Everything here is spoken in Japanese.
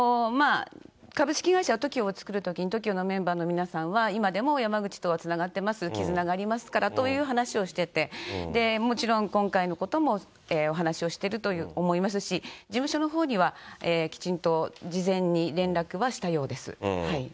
株式会社ＴＯＫＩＯを作るときにＴＯＫＩＯのメンバーの皆さんは、今でも山口とはつながってます、絆がありますからという話をしてて、もちろん今回のこともお話をしてると思いますし、事務所のほうにはきちんと事前に連絡はしたようです。